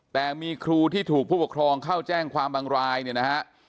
แต่มีครูที่ถูกผู้ปกครองเข้าแจ้งความบางรายเนี่ยนะฮะ